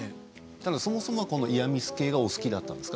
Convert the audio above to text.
イヤミス系がお好きだったんですか？